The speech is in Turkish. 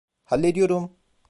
Hallediyorum.